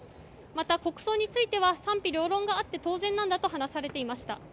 また、国葬については賛否両論あって当然なんだと話されていました。